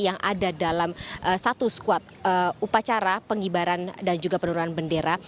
yang ada dalam satu squad upacara pengibaran dan juga penurunan bendera